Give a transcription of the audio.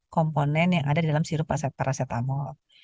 komponen yang ada di dalam sirup paracetamol